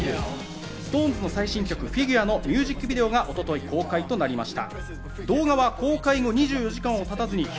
ＳｉｘＴＯＮＥＳの最新曲『フィギュア』のミュージックビデオが一昨日公開となりました。